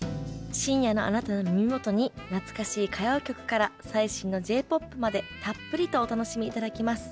深夜のあなたの耳元に懐かしい歌謡曲から最新のＪ−ＰＯＰまでたっぷりとお楽しみ頂きます。